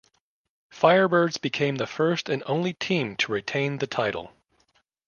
Firebirds became the first and only team to retain the title.